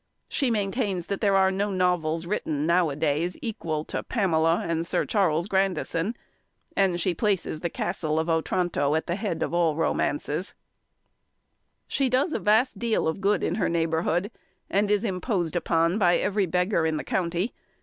She maintains that there are no novels written now a days equal to Pamela and Sir Charles Grandison; and she places the Castle of Otranto at the head of all romances. [Illustration: A Sage Adviser] She does a vast deal of good in her neighbourhood, and is imposed upon by every beggar in the county.